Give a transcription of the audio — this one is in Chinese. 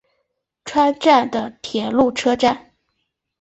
串站的铁路车站。